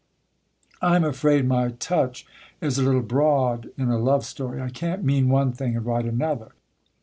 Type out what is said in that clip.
"I am afraid my touch is a little broad in a love story; I can't mean one thing and write another.